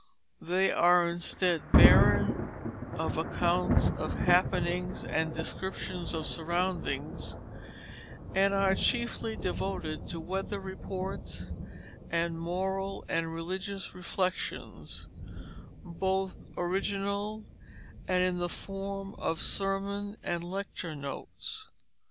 They are instead barren of accounts of happenings, and descriptions of surroundings, and are chiefly devoted to weather reports and moral and religious reflections, both original and in the form of sermon and lecture notes.